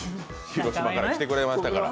広島から来てくれましたから。